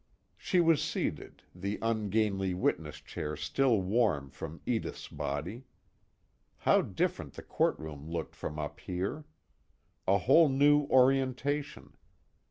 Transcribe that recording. She was seated, the ungainly witness chair still warm from Edith's body. How different the courtroom looked from up here! A whole new orientation.